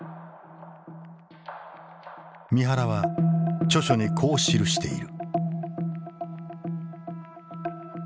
三原は著書にこう記している。